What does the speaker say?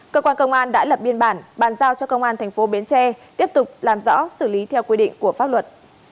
cơ quan công an đã lập biên bản bàn giao cho công an tp biến tre tiếp tục làm rõ xử lý theo quy định của pháp luật